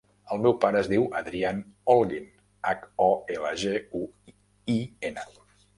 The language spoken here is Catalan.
El meu pare es diu Adrián Holguin: hac, o, ela, ge, u, i, ena.